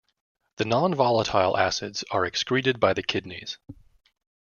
The nonvolatile acids are excreted by the kidneys.